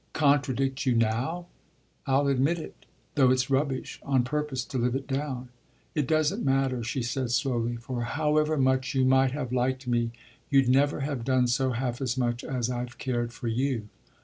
"Contradict you now? I'll admit it, though it's rubbish, on purpose to live it down." "It doesn't matter," she said slowly; "for however much you might have liked me you'd never have done so half as much as I've cared for you."